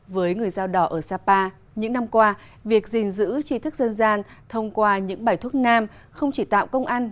với người dao đỏ ở sapa những năm qua việc gìn giữ trí thức dân gian thông qua những bài thuốc nam không chỉ tạo công ăn